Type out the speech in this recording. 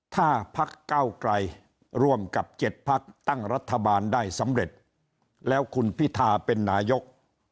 ถ้าพักเก้าไกลร่วมกับ๗พักตั้งรัฐบาลได้สำเร็จแล้วคุณพิธาเป็นนายก